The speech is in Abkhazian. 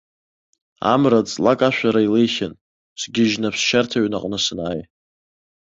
Амра ҵлакашәара илеихьан, сгьежьны аԥсшьарҭаҩны аҟны санааи.